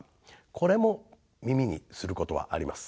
これも耳にすることはあります。